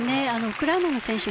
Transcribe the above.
ウクライナの選手